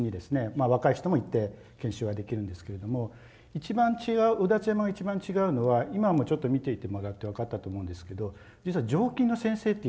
若い人もいて研修はできるんですけれども卯辰山が一番違うのは今もちょっと見ていてもらって分かったと思うんですけど実は常勤の先生っていうのはまずいないんです。